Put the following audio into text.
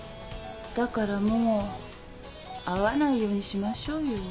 だからもう会わないようにしましょうよ。